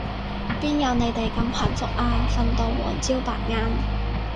邊有你哋咁幸福啊，瞓到黃朝白晏